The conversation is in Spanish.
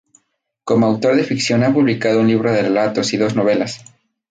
Como autor de ficción ha publicado un libro de relatos y dos novelas.